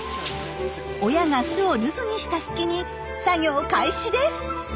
親が巣を留守にした隙に作業開始です。